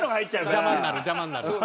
邪魔になる邪魔になる。